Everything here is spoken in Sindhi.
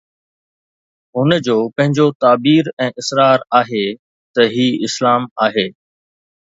هن جو پنهنجو تعبير ۽ اصرار آهي ته هي اسلام آهي.